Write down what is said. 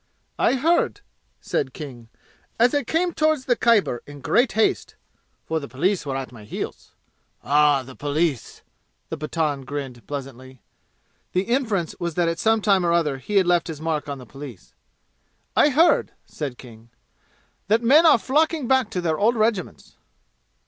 "I heard," said King, "as I came toward the Khyber in great haste (for the police were at my heels) " "Ah, the police!" the Pathan grinned pleasantly. The inference was that at some time or other he had left his mark on the police. "I heard," said King, "that men are flocking back to their old regiments."